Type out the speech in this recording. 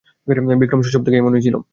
বিক্রম শৈশব থেকে এমনই ছিল।